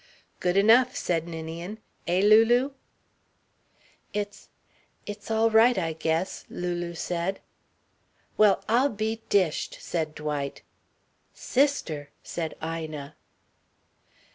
"Good enough," said Ninian. "Eh, Lulu?" "It's it's all right, I guess," Lulu said. "Well, I'll be dished," said Dwight. "Sister!" said Ina.